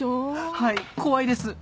はい怖いです。